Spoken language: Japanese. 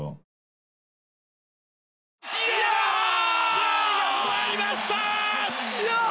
試合が終わりました！